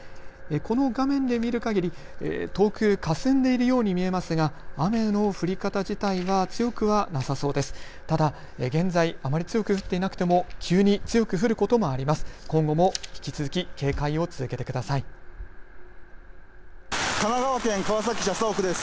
この画面で見るかぎり遠くかすんでいるように見えますが雨の降り方自体は強くはなさそうです。